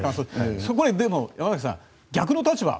そこは山崎さん逆の立場